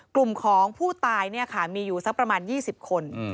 กลุ่มของผู้ตายมีอยู่สักประมาณ๒๐คน